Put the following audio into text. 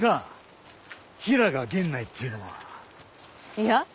いや。